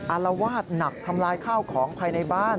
อารวาสหนักทำลายข้าวของภายในบ้าน